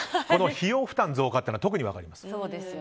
この費用負担増加というのは特に分かります。